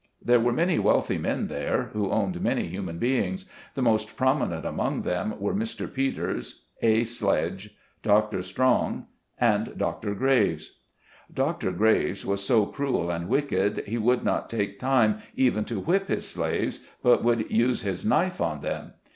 There were many wealthy men there, who owned many human beings. The most prominent among them were Mr. Peters, A. Sledge, Dr. Strong, and Dr. Graves. Dr. Graves was so cruel and wicked, he would not take time even to whip his slaves, but would use his knife on them.